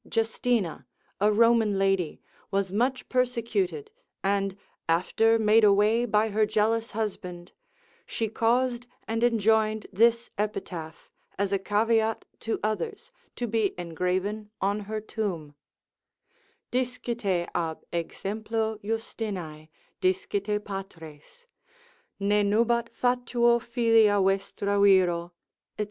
Justina, a Roman lady, was much persecuted, and after made away by her jealous husband, she caused and enjoined this epitaph, as a caveat to others, to be engraven on her tomb: Discite ab exemplo Justinae, discite patres, Ne nubat fatuo filia vestra viro, &c.